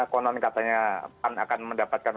konon katanya pan akan mendapatkan